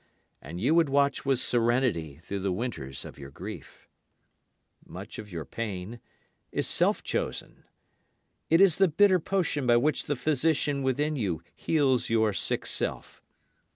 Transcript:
And you would watch with serenity through the winters of your grief. Much of your pain is self chosen. It is the bitter potion by which the physician within you heals your sick self.